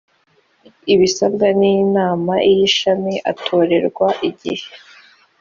ibisabwe n inama y ishami atorerwa igihe